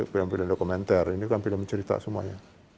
film film dokumenter ini kan film cerita semuanya